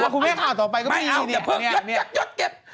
คุณแม่ข่าวต่อไปก็มีเนี่ยคุณแม่นี้ไม่เอาอย่าเพิ่งหยอด